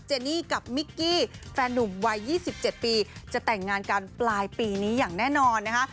เนนี่กับมิกกี้แฟนนุ่มวัย๒๗ปีจะแต่งงานกันปลายปีนี้อย่างแน่นอนนะคะ